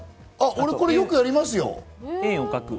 俺、これよくやりますよ。